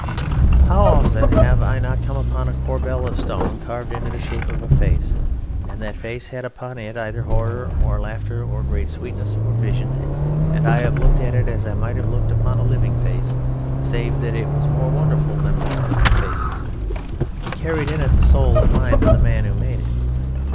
How often have I not come upon a corbel of stone carved into the shape of a face, and that face had upon it either horror or laughter or great sweetness or vision, and I have looked at it as I might have looked upon a living face, save that it was more wonderful than most living faces. It carried in it the soul and the mind of the man who made it.